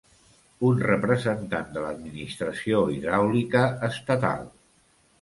Un representant de l'Administració hidràulica estatal.